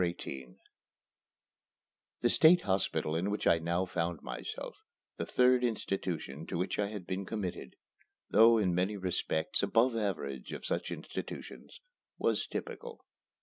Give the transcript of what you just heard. XVIII The State Hospital in which I now found myself, the third institution to which I had been committed, though in many respects above the average of such institutions, was typical.